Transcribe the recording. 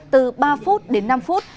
từ ba phút đến năm phút